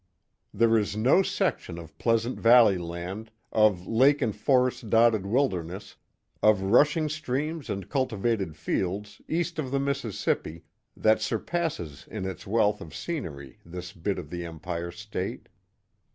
There is no section of pleasant valley land, of lake and for est dotted wilderness, of rushing streams and cultivated fields, east of the Mississippi, that surpasses in its wealth of scenery this bit of the Empire State.